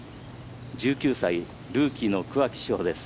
１９歳ルーキーの桑木志帆です。